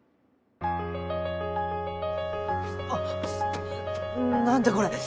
あっ何だこれ。